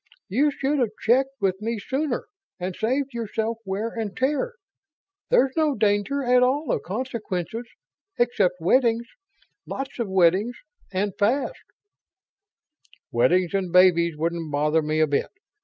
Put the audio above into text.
"You should have checked with me sooner and saved yourself wear and tear. There's no danger at all of consequences except weddings. Lots of weddings, and fast." "Weddings and babies wouldn't bother me a bit.